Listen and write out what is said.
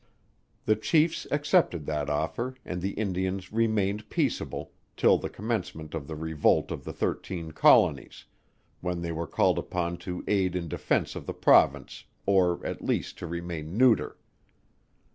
The Chiefs accepted that offer, and the Indians remained peaceable, till the commencement of the revolt of the thirteen Colonies, when they were called upon to aid in defence of the Province, or at least to remain neuter.